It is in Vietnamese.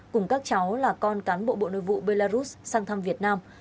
cùng các cháu là con cán bộ bộ nội vụ belarus sang thăm việt nam